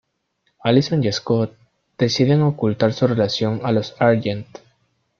Allison y Scott deciden ocultar su relación a los Argent.